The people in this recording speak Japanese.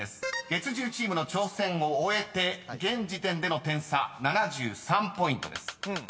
［月１０チームの挑戦を終えて現時点での点差７３ポイントです。